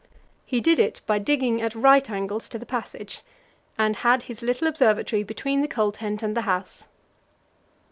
He did it by digging at right angles to the passage, and had his little observatory between the coal tent and the house.